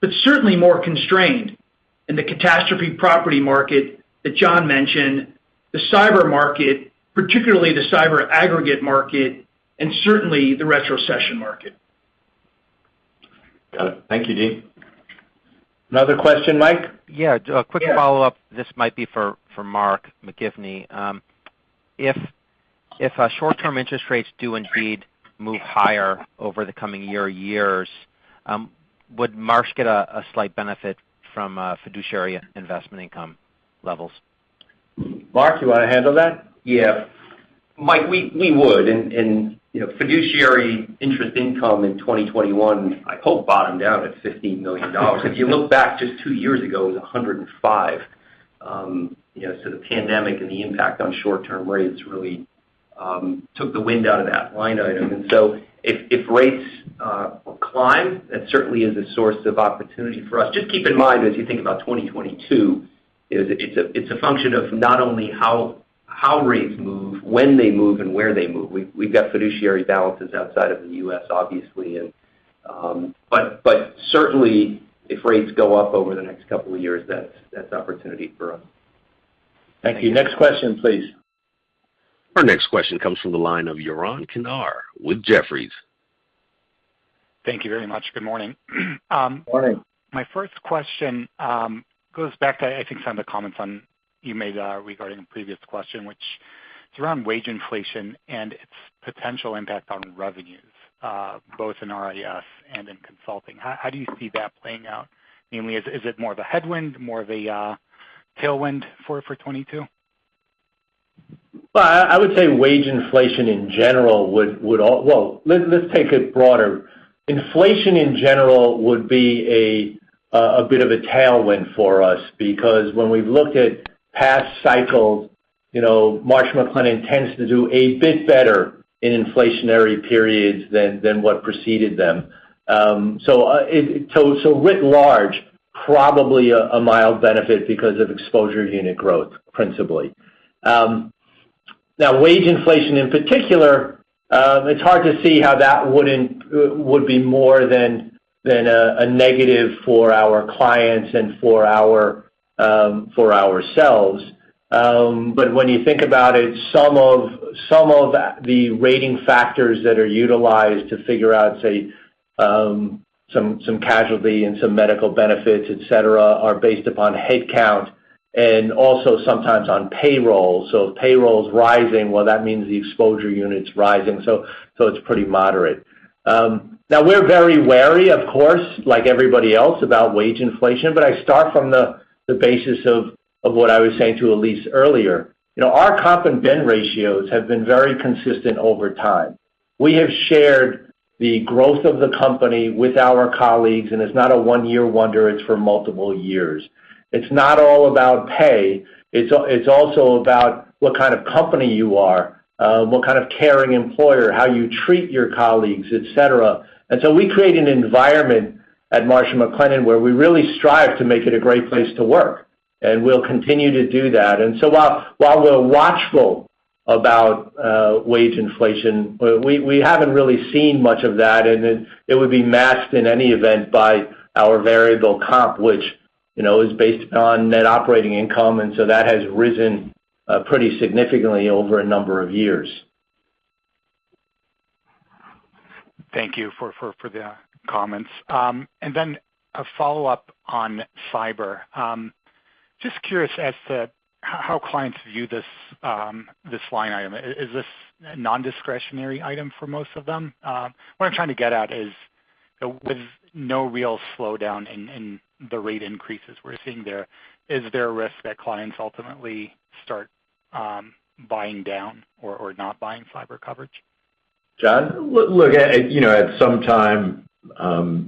but certainly more constrained in the catastrophe property market that John mentioned, the cyber market, particularly the cyber aggregate market, and certainly the retrocession market. Got it. Thank you, Dean. Another question, Mike? Yeah. Yes. A quick follow-up. This might be for Mark McGivney. If short-term interest rates do indeed move higher over the coming year or years, would Marsh get a slight benefit from fiduciary investment income levels? Mark, you wanna handle that? Yeah. Mike, we would. You know, fiduciary interest income in 2021, I hope, bottomed out at $15 million. If you look back just two years ago, it was $105 million. You know, the pandemic and the impact on short-term rates really took the wind out of that line item. If rates climb, that certainly is a source of opportunity for us. Just keep in mind, as you think about 2022, it's a function of not only how rates move, when they move and where they move. We've got fiduciary balances outside of the U.S. obviously. Certainly if rates go up over the next couple of years, that's opportunity for us. Thank you. Next question, please. Our next question comes from the line of Yaron Kinar with Jefferies. Thank you very much. Good morning. Morning. My first question goes back to, I think, some of the comments that you made regarding a previous question, which is around wage inflation and its potential impact on revenues both in RIS and in consulting. How do you see that playing out? Namely, is it more of a headwind, more of a tailwind for 2022? Well, let's take it broader. Inflation in general would be a bit of a tailwind for us because when we've looked at past cycles, you know, Marsh & McLennan tends to do a bit better in inflationary periods than what preceded them. Writ large, probably a mild benefit because of exposure unit growth, principally. Now wage inflation in particular, it's hard to see how that wouldn't be more than a negative for our clients and for ourselves. When you think about it, some of the rating factors that are utilized to figure out, say, some casualty and some medical benefits, et cetera, are based upon headcount and also sometimes on payroll. If payroll's rising, well, that means the exposure unit's rising. It's pretty moderate. Now we're very wary of course, like everybody else about wage inflation, but I start from the basis of what I was saying to Elise earlier. You know, our comp and ben ratios have been very consistent over time. We have shared the growth of the company with our colleagues, and it's not a one-year wonder, it's for multiple years. It's not all about pay. It's also about what kind of company you are, what kind of caring employer, how you treat your colleagues, et cetera. We create an environment at Marsh & McLennan, where we really strive to make it a great place to work, and we'll continue to do that. While we're watchful about wage inflation, we haven't really seen much of that, and it would be masked in any event by our variable comp, which, you know, is based upon net operating income. That has risen pretty significantly over a number of years. Thank you for the comments. A follow-up on cyber. Just curious as to how clients view this line item. Is this a non-discretionary item for most of them? What I'm trying to get at is with no real slowdown in the rate increases we're seeing there, is there a risk that clients ultimately start buying down or not buying cyber coverage? John, look, you know, at some time,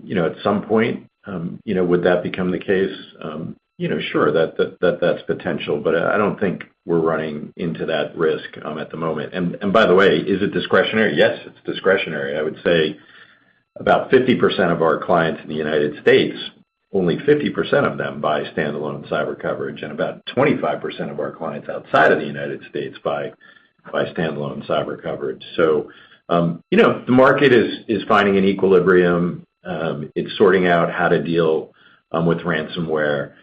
you know, at some point, you know, would that become the case? You know, sure. That's potential, but I don't think we're running into that risk at the moment. By the way, is it discretionary? Yes, it's discretionary. I would say about 50% of our clients in the United States, only 50% of them buy standalone cyber coverage, and about 25% of our clients outside of the United States buy standalone cyber coverage. You know, the market is finding an equilibrium. It's sorting out how to deal with ransomware.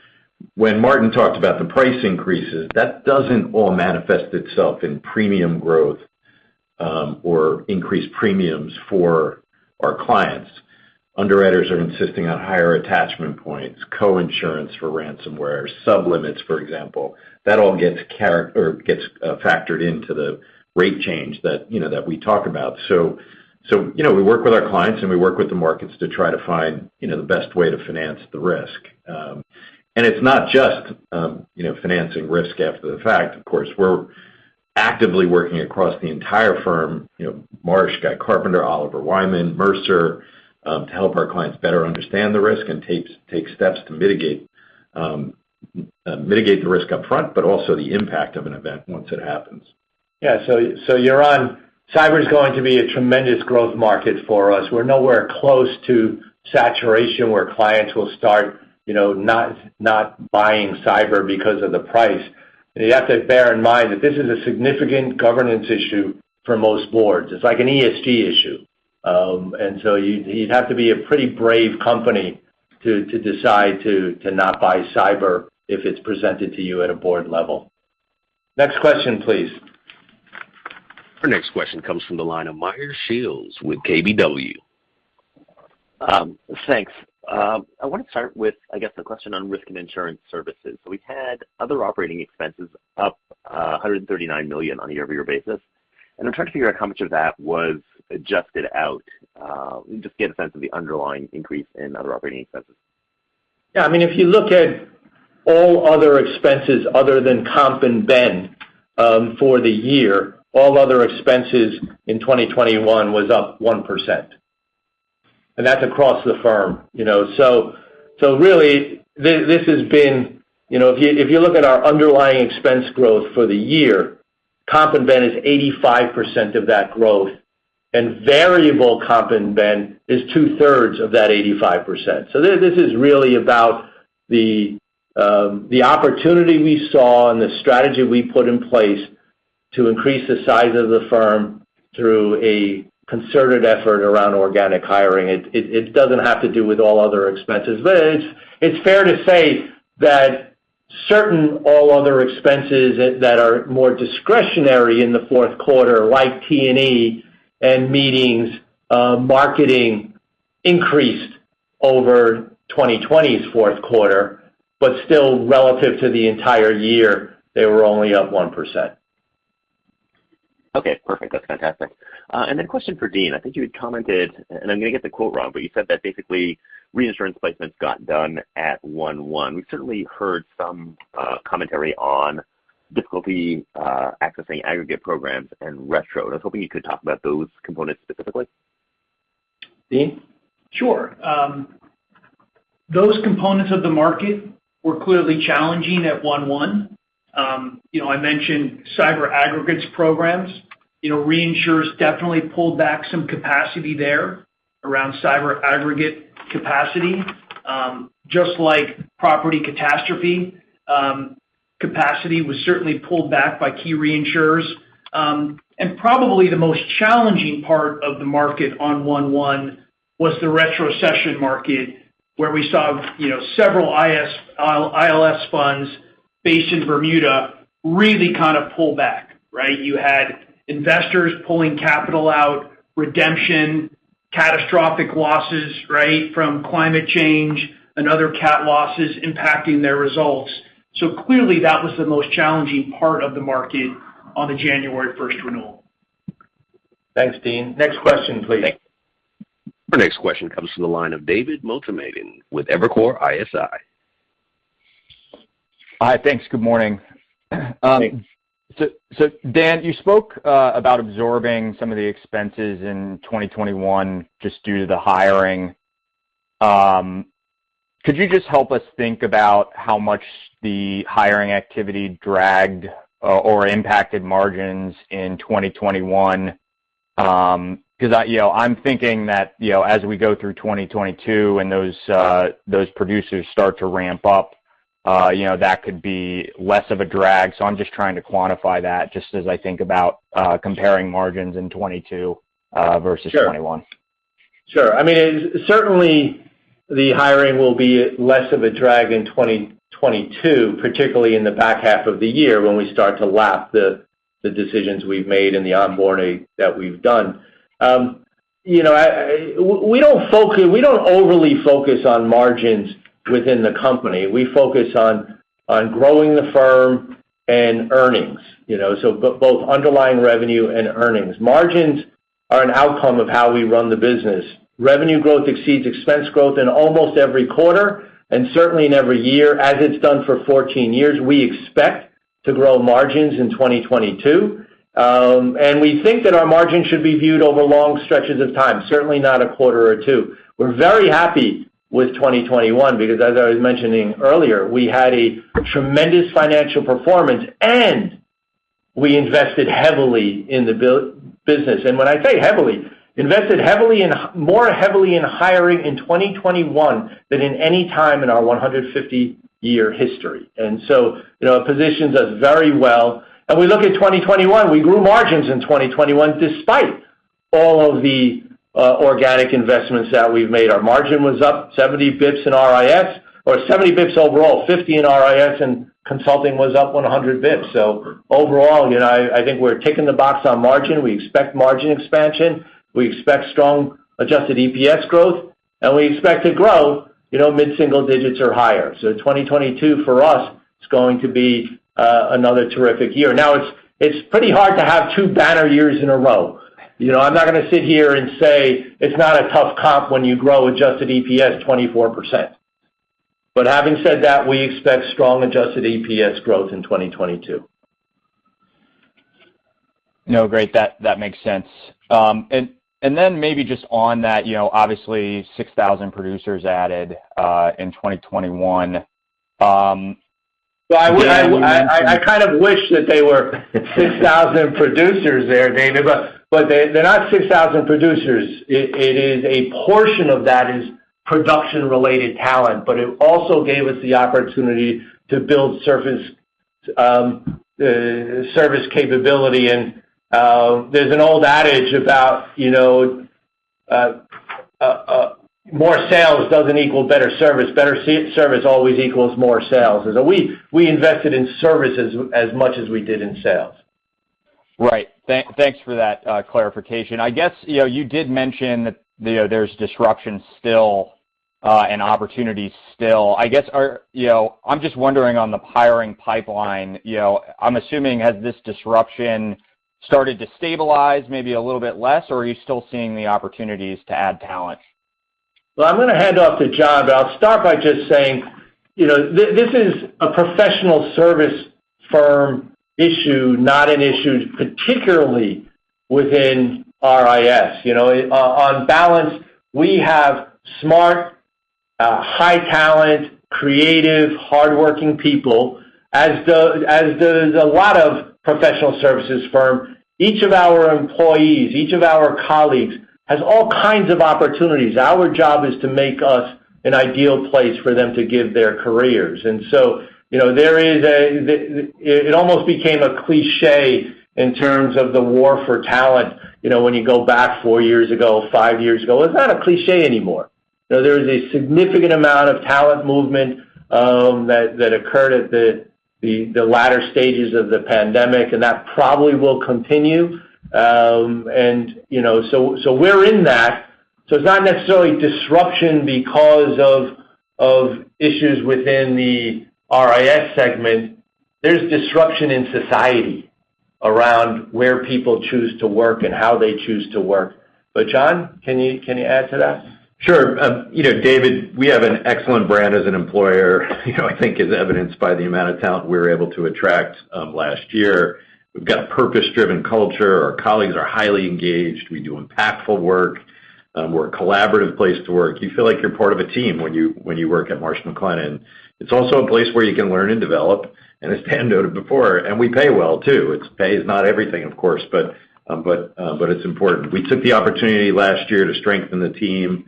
When Martin talked about the price increases, that doesn't all manifest itself in premium growth or increased premiums for our clients. Underwriters are insisting on higher attachment points, co-insurance for ransomware, sub-limits, for example. That all gets factored into the rate change that, you know, that we talk about. We work with our clients, and we work with the markets to try to find, you know, the best way to finance the risk. It's not just, you know, financing risk after the fact, of course. We're actively working across the entire firm, you know, Marsh, Guy Carpenter, Oliver Wyman, Mercer, to help our clients better understand the risk and take steps to mitigate the risk up front, but also the impact of an event once it happens. Yeah. Yaron, cyber is going to be a tremendous growth market for us. We're nowhere close to saturation, where clients will start, you know, not buying cyber because of the price. You have to bear in mind that this is a significant governance issue for most boards. It's like an ESG issue. You'd have to be a pretty brave company to decide to not buy cyber if it's presented to you at a board level. Next question, please. Our next question comes from the line of Meyer Shields with KBW. Thanks. I want to start with, I guess, the question on risk and insurance services. We've had other operating expenses up $139 million on a year-over-year basis, and I'm trying to figure out how much of that was adjusted out, just to get a sense of the underlying increase in other operating expenses. Yeah. I mean, if you look at all other expenses other than comp and ben for the year, all other expenses in 2021 was up 1%. That's across the firm, you know? Really, you know, if you look at our underlying expense growth for the year, comp and ben is 85% of that growth, and variable comp and ben is 2/3 of that 85%. This is really about the opportunity we saw and the strategy we put in place to increase the size of the firm through a concerted effort around organic hiring. It doesn't have to do with all other expenses. It's fair to say that certain all other expenses that are more discretionary in the fourth quarter, like T&E and meetings, marketing increased over 2020's fourth quarter, but still relative to the entire year, they were only up 1%. Okay, perfect. That's fantastic. A question for Dean. I think you had commented, and I'm gonna get the quote wrong, but you said that basically reinsurance placements got done at 101. We've certainly heard some commentary on difficulty accessing aggregate programs and retro. I was hoping you could talk about those components specifically. Dean? Sure. Those components of the market were clearly challenging at 1/1. You know, I mentioned cyber aggregate programs. You know, reinsurers definitely pulled back some capacity there around cyber aggregate capacity, just like property catastrophe capacity was certainly pulled back by key reinsurers. And probably the most challenging part of the market on 1/1 was the retrocession market, where we saw, you know, several ILS funds based in Bermuda really kind of pull back, right? You had investors pulling capital out, redemption, catastrophic losses, right, from climate change and other cat losses impacting their results. So clearly that was the most challenging part of the market on the January 1st renewal. Thanks, Dean. Next question, please. Our next question comes from the line of David Motemaden with Evercore ISI. Hi. Thanks. Good morning. Thanks. Dan, you spoke about absorbing some of the expenses in 2021 just due to the hiring. Could you just help us think about how much the hiring activity dragged or impacted margins in 2021? You know, I'm thinking that, you know, as we go through 2022 and those producers start to ramp up, you know, that could be less of a drag. I'm just trying to quantify that just as I think about comparing margins in 2022 versus 2021. Sure. I mean, certainly the hiring will be less of a drag in 2022, particularly in the back half of the year when we start to lap the decisions we've made and the onboarding that we've done. You know, we don't overly focus on margins within the company. We focus on growing the firm and earnings, you know, so both underlying revenue and earnings. Margins are an outcome of how we run the business. Revenue growth exceeds expense growth in almost every quarter, and certainly in every year as it's done for 14 years. We expect to grow margins in 2022. We think that our margins should be viewed over long stretches of time, certainly not a quarter or two. We're very happy with 2021 because as I was mentioning earlier, we had a tremendous financial performance, and we invested heavily in the business. When I say heavily, more heavily in hiring in 2021 than in any time in our 150-year history. You know, it positions us very well. We look at 2021, we grew margins in 2021 despite all of the organic investments that we've made. Our margin was up 70 basis points in RIS or 70 basis points overall, 50 basis points in RIS and consulting was up 100 basis points. Overall, you know, I think we're ticking the box on margin. We expect margin expansion. We expect strong adjusted EPS growth, and we expect to grow, you know, mid-single digits or higher. 2022 for us is going to be another terrific year. Now it's pretty hard to have two banner years in a row. You know, I'm not gonna sit here and say it's not a tough comp when you grow adjusted EPS 24%. Having said that, we expect strong adjusted EPS growth in 2022. No, great. That makes sense. Maybe just on that, you know, obviously 6,000 producers added in 2021, Well, I kind of wish that they were 6,000 producers there, David, but they're not 6,000 producers. It is a portion of that is production-related talent, but it also gave us the opportunity to build service capability and there's an old adage about, you know, more sales doesn't equal better service. Better service always equals more sales. We invested in services as much as we did in sales. Right. Thanks for that, clarification. I guess, you know, you did mention that, you know, there's disruption still, and opportunities still. You know, I'm just wondering on the hiring pipeline, you know, I'm assuming has this disruption started to stabilize maybe a little bit less, or are you still seeing the opportunities to add talent? I'm gonna hand off to John, but I'll start by just saying, you know, this is a professional services firm issue, not an issue particularly within RIS. You know, on balance, we have smart, high talent, creative, hardworking people. As there's a lot of professional services firm, each of our employees, each of our colleagues has all kinds of opportunities. Our job is to make us an ideal place for them to give their careers. You know, there is it almost became a cliché in terms of the war for talent, you know, when you go back four years ago, five years ago. It's not a cliché anymore. There is a significant amount of talent movement that occurred at the latter stages of the pandemic, and that probably will continue. you know, so we're in that. It's not necessarily disruption because of issues within the RIS segment. There's disruption in society around where people choose to work and how they choose to work. John, can you add to that? Sure. You know, David, we have an excellent brand as an employer, you know. I think is evidenced by the amount of talent we were able to attract last year. We've got a purpose-driven culture. Our colleagues are highly engaged. We do impactful work. We're a collaborative place to work. You feel like you're part of a team when you work at Marsh McLennan. It's also a place where you can learn and develop, and as Dan noted before, and we pay well too. Pay is not everything, of course, but it's important. We took the opportunity last year to strengthen the team.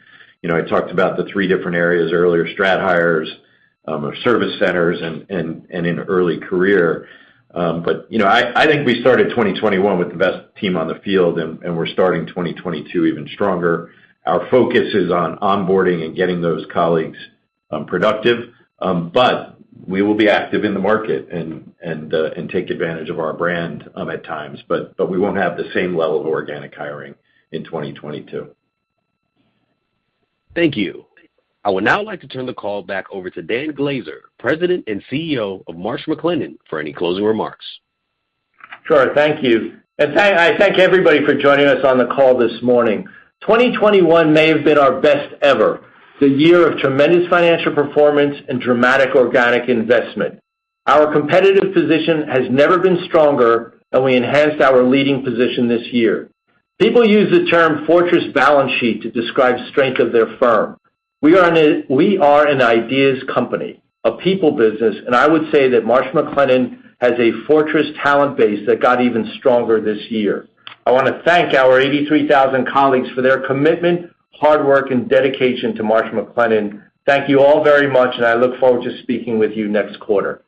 You know, I talked about the three different areas earlier, strat hires, our service centers and in early career. You know, I think we started 2021 with the best team on the field, and we're starting 2022 even stronger. Our focus is on onboarding and getting those colleagues productive. We will be active in the market and take advantage of our brand at times. We won't have the same level of organic hiring in 2022. Thank you. I would now like to turn the call back over to Dan Glaser, President and CEO of Marsh McLennan, for any closing remarks. Sure. Thank you. I thank everybody for joining us on the call this morning. 2021 may have been our best ever, the year of tremendous financial performance and dramatic organic investment. Our competitive position has never been stronger, and we enhanced our leading position this year. People use the term fortress balance sheet to describe strength of their firm. We are an ideas company, a people business, and I would say that Marsh McLennan has a fortress talent base that got even stronger this year. I wanna thank our 83,000 colleagues for their commitment, hard work, and dedication to Marsh McLennan. Thank you all very much, and I look forward to speaking with you next quarter.